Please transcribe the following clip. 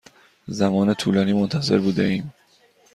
زمان طولانی منتظر بوده ایم.